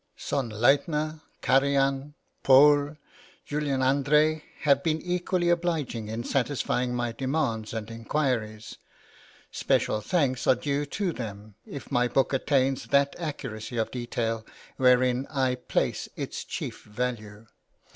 Sonnleithner, Karajan, Pohl, Jul. André, have been equally obliging in satisfying my demands and inquiries. Special thanks are due to them if my book attains that accuracy of detail, wherein I place its chief value.